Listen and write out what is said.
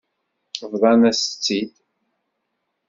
Bḍan-as-tt-id.